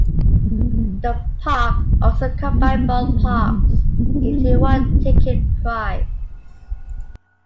The park also combined both parks into one ticket price.